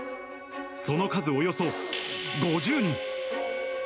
その数およそ５０人。